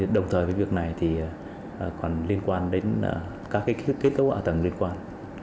đồng thời với việc này thì còn liên quan đến các kết cấu hạ tầng liên quan